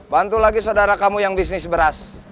bantu lagi saudara kamu yang bisnis beras